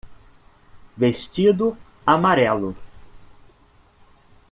Vestido amarelo.